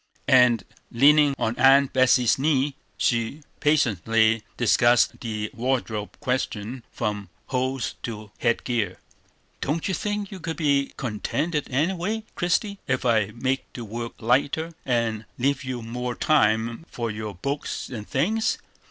And, leaning on Aunt Betsey's knee, she patiently discussed the wardrobe question from hose to head gear. "Don't you think you could be contented any way, Christie, ef I make the work lighter, and leave you more time for your books and things?"